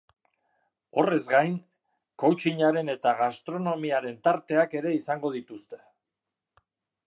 Horrez gain, coaching-aren eta gastronomiaren tarteak ere izango dituzte.